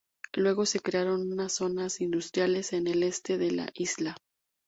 Luego se crearon unas zonas industriales en el este de la isla.